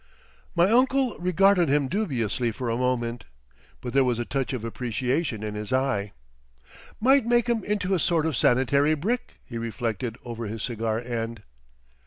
My uncle regarded him dubiously for a moment. But there was a touch of appreciation in his eye. "Might make 'em into a sort of sanitary brick," he reflected over his cigar end.